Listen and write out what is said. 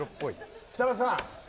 設楽さん